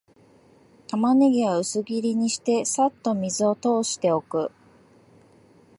タマネギは薄切りにして、さっと水を通しておく